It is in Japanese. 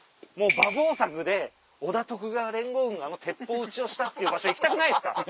馬防柵で織田・徳川連合軍があの鉄砲撃ちをしたっていう場所行きたくないですか